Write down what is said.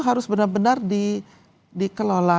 harus benar benar dikelola